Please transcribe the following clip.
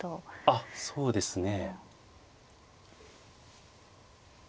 あっそうですね。